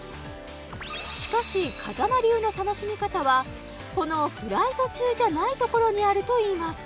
しかし風間流の楽しみ方はこのフライト中じゃないところにあるといいます